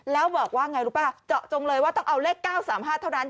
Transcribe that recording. แล้วบอกว่าไงรู้ป่ะเจาะจงเลยว่าต้องเอาเลข๙๓๕เท่านั้น